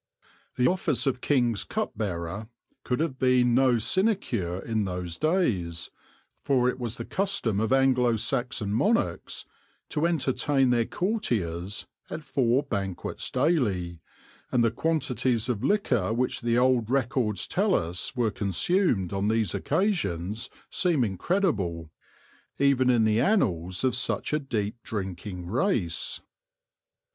The office of King's Cup bearer could have been no sinecure in those days, for it was the custom of Anglo Saxon monarchs to entertain their courtiers at four banquets daily, and the quanti ties of liquor which the old records tell us were con sumed on these occasions seem incredible, even in the annals of such a deep drinking race.